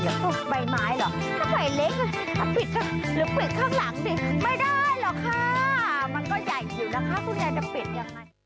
โอ๊ยโง่ไปหมดไปคิดก่อนด้วยไปละด้วยแย่ดำคาวอีเหี้ย